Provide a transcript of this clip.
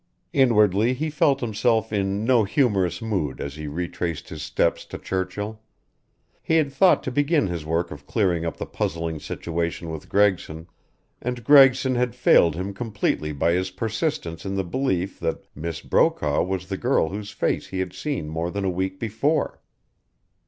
Inwardly he felt himself in no humorous mood as he retraced his steps to Churchill. He had thought to begin his work of clearing up the puzzling situation with Gregson, and Gregson had failed him completely by his persistence in the belief that Miss Brokaw was the girl whose face he had seen more than a week before.